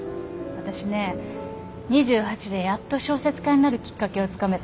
私ね２８でやっと小説家になるきっかけをつかめたの。